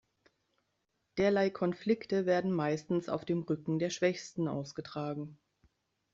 Derlei Konflikte werden meistens auf dem Rücken der Schwächsten ausgetragen.